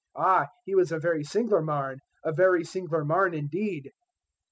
Ah, he was a very sing'lar marn a very sing'lar marn indeed."